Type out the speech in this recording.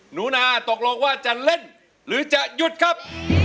หนูนาตกลงว่าจะเล่นหรือจะหยุดครับ